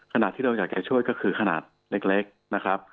ขณะที่เราอยากจะช่วยก็คือขนาดเล็กนะครับ